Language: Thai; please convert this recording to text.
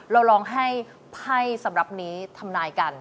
เราลองให้ไพ่สำหรับนี้ทำนายกัน